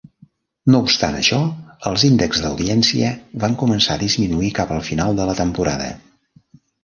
No obstant això, els índexs d'audiència van començar a disminuir cap al final de la temporada.